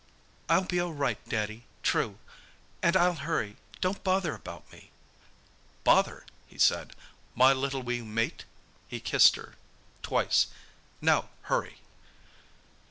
"I'll be all right, Daddy—true. And I'll hurry. Don't bother about me." "Bother!" he said. "My little wee mate." He kissed her twice. "Now—hurry!"